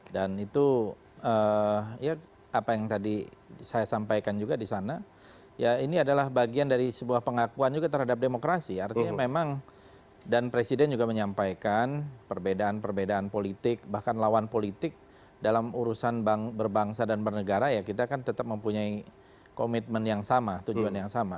dan itu ya apa yang tadi saya sampaikan juga disana ya ini adalah bagian dari sebuah pengakuan juga terhadap demokrasi artinya memang dan presiden juga menyampaikan perbedaan perbedaan politik bahkan lawan politik dalam urusan berbangsa dan bernegara ya kita akan tetap mempunyai komitmen yang sama tujuan yang sama